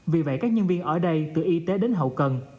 vì vậy các nhân viên ở đây từ y tế đến hậu cần